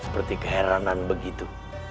seperti keheranan begitu